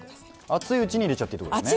熱いうちに入れちゃっていいってことですね。